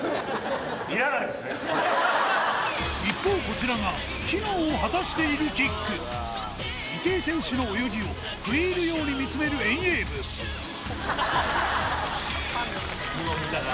一方こちらが機能を果たしているキック池江選手の泳ぎを食い入るように見つめる遠泳部いいもん見たな。